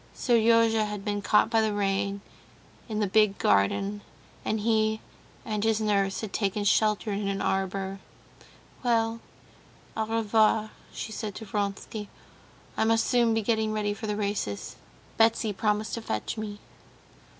Seryozha had been caught by the rain in the big garden, and he and his nurse had taken shelter in an arbor. "Well, au revoir," she said to Vronsky. "I must soon be getting ready for the races. Betsy promised to fetch me."